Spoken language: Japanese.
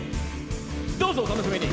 どうぞお楽しみに！